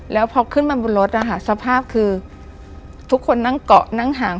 แล้วพอขึ้นมาบนรถนะคะสภาพคือทุกคนนั่งเกาะนั่งห่าง